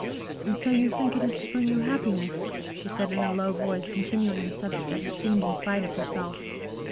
"And so you think it is to bring you happiness?" she said, in a low voice, continuing the subject as it seemed in spite of herself.